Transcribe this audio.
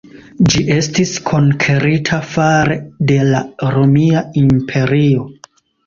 Ĝi estis konkerita fare de la Romia Imperio.